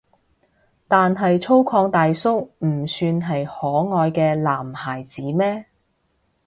但係粗獷大叔唔算係可愛嘅男孩子咩？